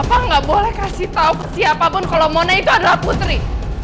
jangan kasih tau siapapun kalau mona itu adalah putri